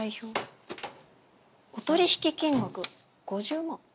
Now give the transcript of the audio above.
お取引金額５０万？